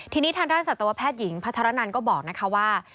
ทีนี้ทางด้านสัตวแพทย์หญิงพัทรนันก็บอกนะคะว่า